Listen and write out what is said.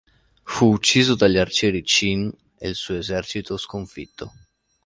Fu ucciso dagli arcieri Qin e il suo esercito fu sconfitto.